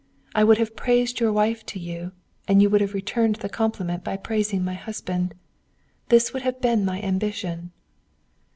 I would have praised your wife to you, and you would have returned the compliment by praising my husband. This would have been my ambition."